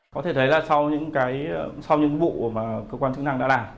có thể thấy là sau những cái sau những vụ mà cơ quan chức năng đã làm